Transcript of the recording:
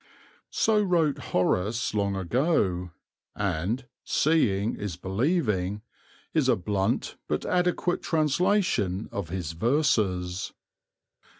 So wrote Horace long ago, and "seeing's believing," is a blunt but adequate translation of his verses.